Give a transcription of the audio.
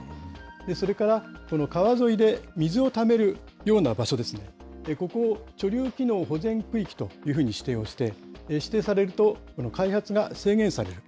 それから、この川沿いで水をためるような場所ですね、ここを貯留機能保全区域というふうに指定をして、指定されると、開発が制限されると。